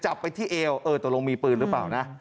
ไปที่เอวเออตกลงมีปืนหรือเปล่านะ